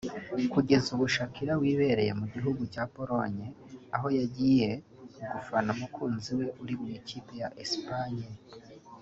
Kugeza ubu Shakira wibereye mu gihugu cya Pologne aho yagiye gufana umukunzi we uri mu ikipe ya Espagne